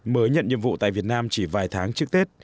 mới nhận nhiệm vụ tại việt nam chỉ vài tháng trước tết